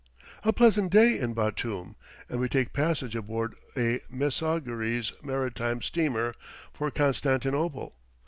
A pleasant day in Batoum, and we take passage aboard a Messageries Maritimes steamer for Constantinople.